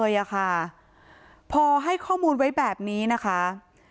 หาใจท้ายข้อมูลแบบนี้เลยแบบนี้นะคะ